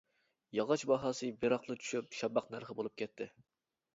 ياغاچ باھاسى بىراقلا چۈشۈپ شاپاق نەرخى بولۇپ كەتتى.